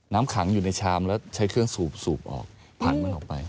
น้ำขังอยู่ในชามแล้วใช้เครื่องสูบออกผันมันออกไป